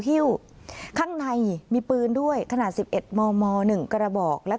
ฮิ้วข้างในมีปืนด้วยขณะสิบเอ็ดมมหนึ่งกระบอกและ